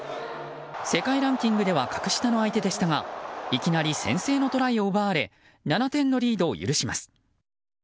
世界ランキングでは格下の相手でしたがいきなり先制のトライを奪われ７点のリードを許します。